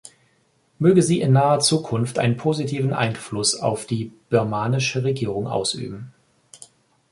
Möge sie in naher Zukunft einen positiven Einfluss auf die birmanische Regierung ausüben!